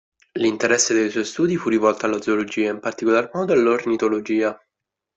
L'interesse dei suoi studi fu rivolto alla zoologia, in particolar modo all'ornitologia.